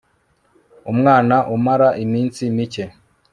umwana umara iminsi mike